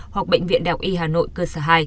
hoặc bệnh viện đạo y hà nội cơ sở hai